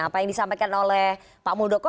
apa yang disampaikan oleh pak muldoko